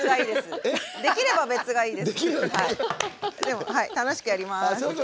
でも楽しくやります。